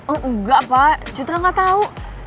oh enggak pak citra nggak tahu